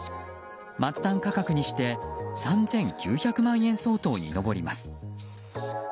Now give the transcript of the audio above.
末端価格にして３９００万円相当に上ります。